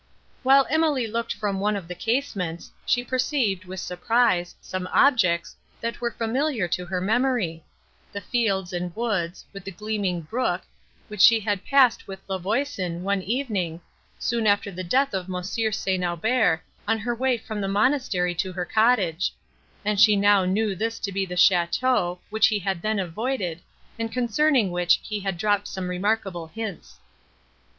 While Emily looked from one of the casements, she perceived, with surprise, some objects, that were familiar to her memory;—the fields and woods, with the gleaming brook, which she had passed with La Voisin, one evening, soon after the death of Monsieur St. Aubert, in her way from the monastery to her cottage; and she now knew this to be the château, which he had then avoided, and concerning which he had dropped some remarkable hints.